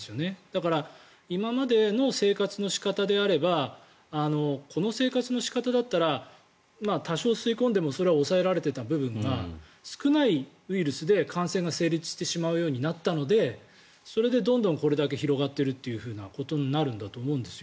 だから今までの生活の仕方であればこの生活の仕方だったら多少吸い込んでもそれは抑えられていた部分が少ないウイルスで感染が成立してしまうようになったのでそれでどんどんこれだけ広がっていることになると思うんです。